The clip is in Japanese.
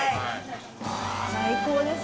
最高ですね。